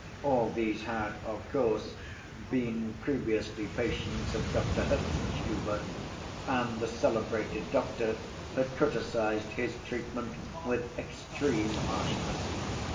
All these had, of course, been previously patients of Doctor Herzenstube, and the celebrated doctor had criticized his treatment with extreme harshness.